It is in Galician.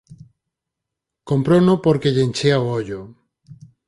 Comprouno porque lle enchía o ollo!